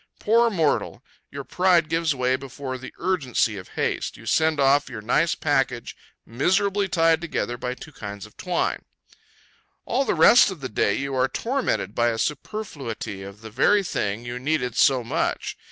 Poor mortal! Your pride gives way before the urgency of haste. You send off your nice packet miserably tied together by two kinds of twine. All the rest of the day you are tormented by a superfluity of the very thing you needed so much.